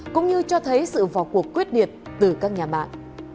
cũng như cho thấy sự vào cuộc quyết địệt từ các nhà bán